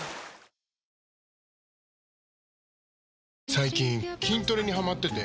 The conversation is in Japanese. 最近筋トレにハマってて。